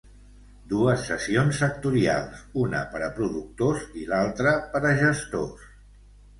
Dues sessions sectorials, una per a productors i l'altra per a gestors.